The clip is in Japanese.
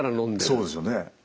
そうですよね。